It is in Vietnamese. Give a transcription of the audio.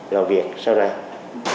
làm việc sau này